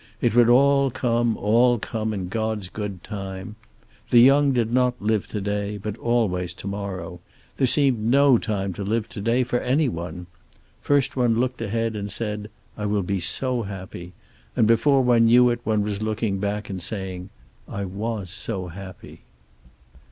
It would all come, all come, in God's good time. The young did not live to day, but always to morrow. There seemed no time to live to day, for any one. First one looked ahead and said, "I will be so happy." And before one knew it one was looking back and saying: "I was so happy."